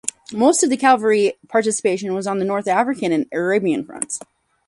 Most of the cavalry participation was on the North African and Arabian fronts.